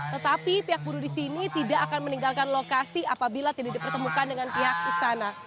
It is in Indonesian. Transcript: tetapi pihak buruh di sini tidak akan meninggalkan lokasi apabila tidak dipertemukan dengan pihak istana